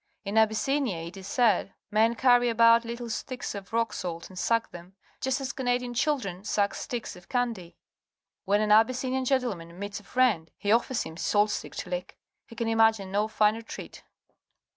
In Abyssinia, it is said, men carry about little sticks of rock salt and suck them, just as Canadian children suck sticks of candy. "Wlien an Abys sinian gentleman meets a friend, he offers him his salt stick to lick. He can imagine no finer treat.